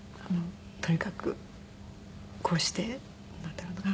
とにかくこうしてなんだろうな。